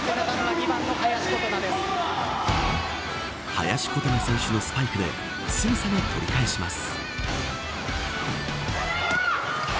林琴奈選手のスパイクですぐさま取り返します。